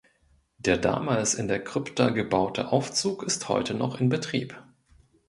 Der damals in der Krypta gebaute Aufzug ist heute noch in Betrieb.